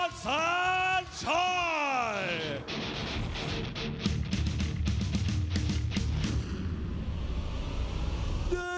ดอตเต็นทอตโตจันทร์ชาย